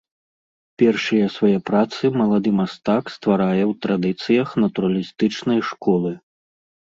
Першыя свае працы малады мастак стварае ў традыцыях натуралістычнай школы.